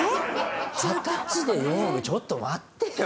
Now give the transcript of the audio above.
二十歳で４億ちょっと待ってよ。